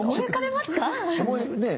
ねえ。